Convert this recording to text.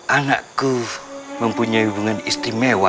anakku mempunyai hubungan istimewa